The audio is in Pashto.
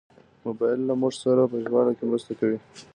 موبایل له موږ سره په ژباړه کې مرسته کوي.